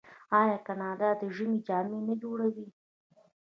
آیا کاناډا د ژمي جامې نه جوړوي؟